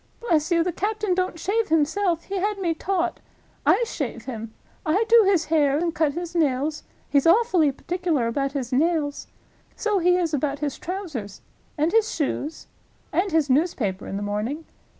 Bless you, the captain don't shave himself! He had me taught. I shave him. I do his hair, and cut his nails—he's awfully particular about his nails. So he is about his trousers. And his shoes. And his newspaper in the morning.